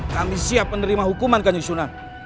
kami siap menerima hukuman kanjeng sunan